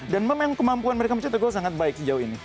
dan memang kemampuan mereka mencetak gol sangat baik sejauh ini